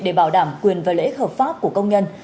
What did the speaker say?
để bảo đảm quyền và lễ hợp pháp của công nhân